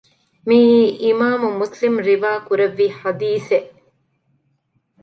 މިއީ އިމާމު މުސްލިމު ރިވާކުރެއްވި ޙަދީޘެއް